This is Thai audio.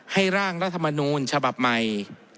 ร่างรัฐมนูลฉบับใหม่